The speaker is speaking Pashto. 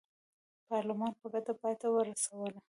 پارلمان په ګټه پای ته ورسوله.